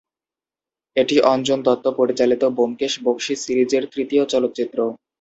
এটি অঞ্জন দত্ত পরিচালিত ব্যোমকেশ বক্সী সিরিজের তৃতীয় চলচ্চিত্র।